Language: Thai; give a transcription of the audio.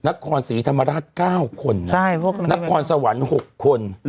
นักควรสีธรรมดา๙คนนักควรสวรรค์๖คน